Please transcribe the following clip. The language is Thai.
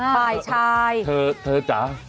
ฝ่ายชายเธอจ๊ะ